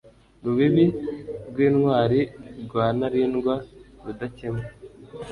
Rubibi rwintwali rwa Ntalindwa Rudakemwa